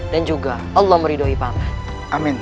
dan juga allah meridohi paman